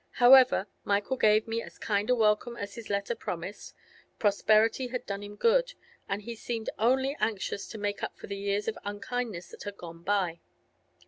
However, Michael gave me as kind a welcome as his letter promised; prosperity had done him good, and he seemed only anxious to make up for the years of unkindness that had gone by.